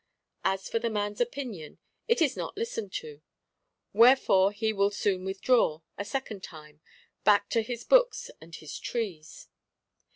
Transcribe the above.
As for the man's opinion, it is not listened to;—wherefore he will soon withdraw, a second time; back to his books and his trees.